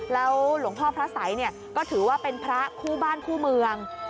แล้วหลวงพ่อพระสัยก็ถือว่าเป็นพระคู่บ้านคู่เมือง